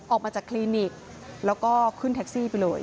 ออกมาจากคลินิกแล้วก็ขึ้นแท็กซี่ไปเลย